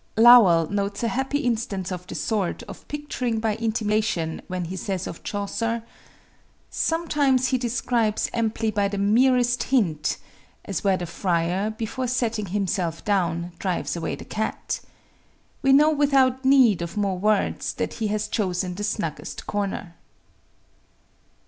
_ Lowell notes a happy instance of this sort of picturing by intimation when he says of Chaucer: "Sometimes he describes amply by the merest hint, as where the Friar, before setting himself down, drives away the cat. We know without need of more words that he has chosen the snuggest corner."